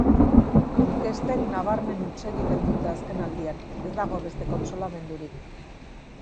Inkestek nabarmen huts egiten dute azkenaldian, ez dago beste kontsolamendurik.